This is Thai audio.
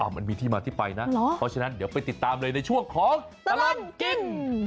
มันมีที่มาที่ไปนะเพราะฉะนั้นเดี๋ยวไปติดตามเลยในช่วงของตลอดกิน